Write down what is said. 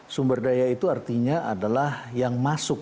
sumber daya itu artinya adalah yang masuk